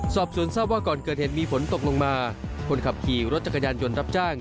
สอบส่วนทราบว่าก่อนเกิดเหตุมีฝนตกลงมาคนขับขี่รถจักรยานยนต์รับจ้าง